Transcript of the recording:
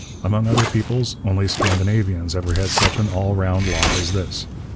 Among other peoples, only Scandinavians ever had such an all round lot as this.